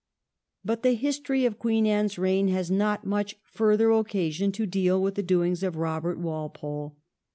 But the history of Queen Anne's reign has not much further occasion to deal with the doings of Eobert Walpole.